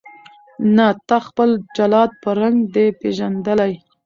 نه تا خپل جلاد په رنګ دی پیژندلی